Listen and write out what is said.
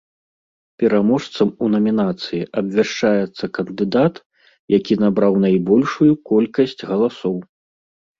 Пераможцам у намінацыі абвяшчаецца кандыдат, які набраў найбольшую колькасць галасоў.